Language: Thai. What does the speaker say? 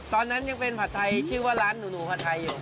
ตอนนั้นยังเป็นผัดไทยชื่อว่าร้านหนูผัดไทยอยู่